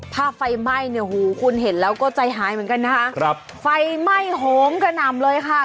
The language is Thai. ไฟไหม้เนี่ยหูคุณเห็นแล้วก็ใจหายเหมือนกันนะคะครับไฟไหม้โหมกระหน่ำเลยค่ะ